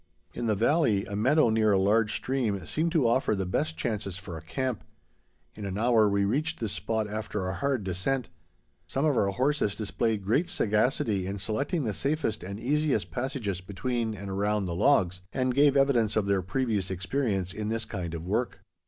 In the valley, a meadow near a large stream seemed to offer the best chances for a camp. In an hour we reached this spot after a hard descent. Some of our horses displayed great sagacity in selecting the safest and easiest passages between and around the logs, and gave evidence of their previous experience in this kind of work.